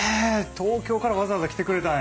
東京からわざわざ来てくれたんや。